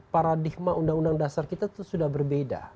paradigma undang undang dasar kita itu sudah berbeda